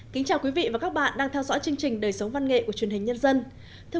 kính chào quý vị và các bạn đang theo dõi chương trình đời sống văn nghệ của truyền hình nhân dân